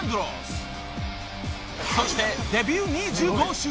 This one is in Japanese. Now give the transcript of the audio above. ［そしてデビュー２５周年。